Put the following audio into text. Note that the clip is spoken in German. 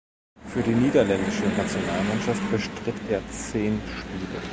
Für die niederländische Nationalmannschaft bestritt er zehn Spiele.